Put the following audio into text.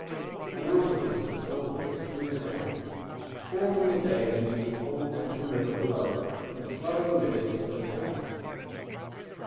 The water went in spillways through the dam, forming again into the old natural river below it and flowing with it to the south.